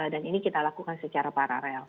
ini kita lakukan secara paralel